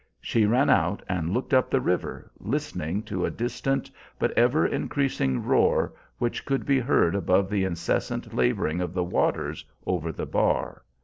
She ran out and looked up the river, listening to a distant but ever increasing roar which could be heard above the incessant laboring of the waters over the bar.